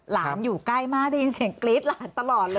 อยู่ใกล้มากได้ยินเสียงกรี๊ดหลานตลอดเลย